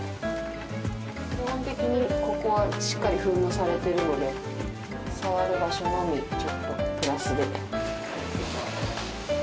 基本的にここはしっかり噴霧されているので触る場所のみちょっとプラスで。